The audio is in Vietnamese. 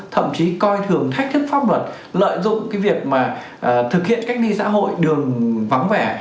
thậm chí coi thường thách thức pháp luật lợi dụng cái việc mà thực hiện cách ly xã hội đường vắng vẻ